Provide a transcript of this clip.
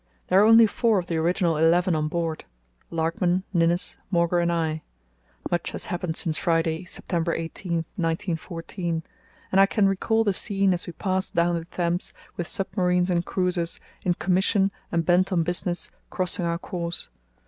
There are only four of the original eleven on board—Larkman, Ninnis, Mauger, and I. Much has happened since Friday, September 18, 1914, and I can recall the scene as we passed down the Thames with submarines and cruisers, in commission and bent on business, crossing our course.